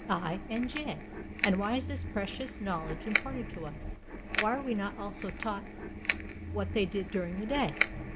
H., I., and J. And why is this precious knowledge imparted to us? Why are we not also taught what else they did during the day?